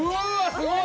すごい！